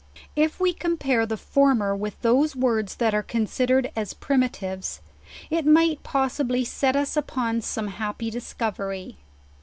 If we compare the former with those words that are considered as primitives, it might possibly set us upon some happy discovery.